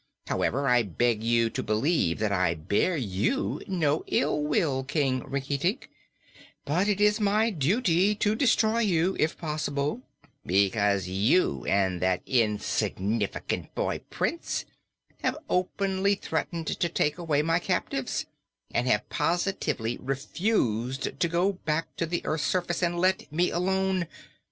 However, I beg you to believe that I bear you no ill will, King Rinkitink; but it is my duty to destroy you, if possible, because you and that insignificant boy Prince have openly threatened to take away my captives and have positively refused to go back to the earth's surface and let me alone.